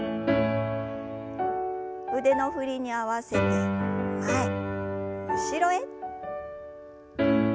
腕の振りに合わせて前後ろへ。